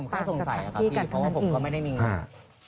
ผมค่อยสงสัยพี่เพราะว่าผมก็ไม่ได้มีเงิน